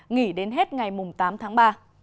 nghỉ đến hết ngày tám tháng ba